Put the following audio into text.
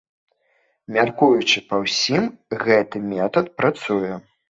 Мяркуючы па ўсім, гэты метад працуе.